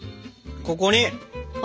ここに！